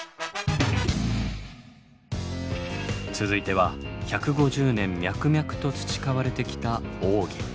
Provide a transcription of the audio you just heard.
続いては１５０年脈々と培われてきた奥義。